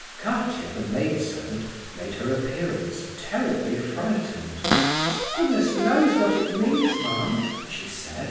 XV. Katia, the maid servant, made her appearance, terribly frightened. "Goodness knows what it means, ma'am," she said.